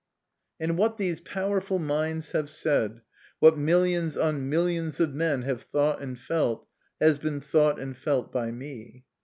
And what these powerful minds have said, what millions on millions of men have thought and felt, has been thought and felt by me.